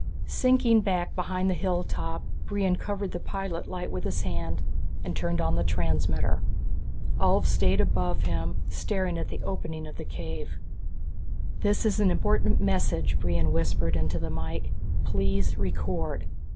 Sinking back behind the hilltop, Brion covered the pilot light with his hand and turned on the transmitter. Ulv stayed above him, staring at the opening of the cave. "This is an important message," Brion whispered into the mike. "Please record."